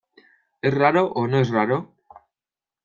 ¿ es raro o no es raro?